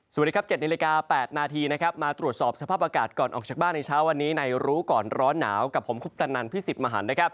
สวัสดีครับ๗นาฬิกา๘นาทีนะครับมาตรวจสอบสภาพอากาศก่อนออกจากบ้านในเช้าวันนี้ในรู้ก่อนร้อนหนาวกับผมคุปตนันพิสิทธิ์มหันนะครับ